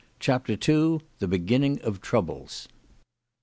CHAPTER II. THE BEGINNING OF TROUBLES.